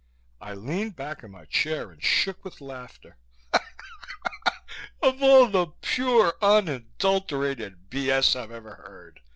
I leaned back in my chair and shook with laughter. "Of all the pure, unadulterated b.s. I've ever heard!